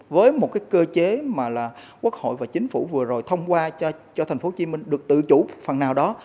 với một cơ chế mà quốc hội và chính phủ vừa rồi thông qua cho thành phố hồ chí minh được tự chủ phần nào đó